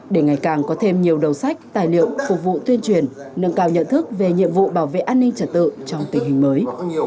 để ngày càng có thêm nhiều đầu sách tài liệu phục vụ tuyên truyền nâng cao nhận thức về nhiệm vụ bảo vệ an ninh trật tự trong tình hình mới